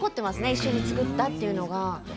一緒に作ったというのが。